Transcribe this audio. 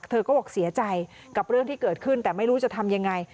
เธอก็บอกเสียใจกับเรื่องที่เกิดขึ้นแต่ไม่รู้จะทำยังไง